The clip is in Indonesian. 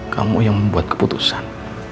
kamu yang membuat keputusan